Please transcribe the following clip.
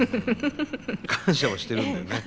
感謝はしてるんだよね？